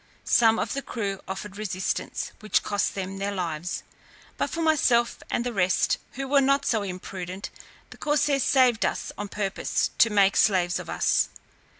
Some of the crew offered resistance, which cost them their lives. But for myself and the rest, who were not so imprudent, the corsairs saved us on purpose to make slaves of us.